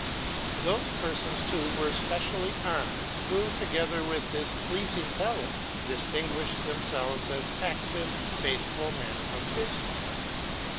Those persons, too, were specially honored, who, together with this pleasing talent, distinguished themselves as active, faithful men of business.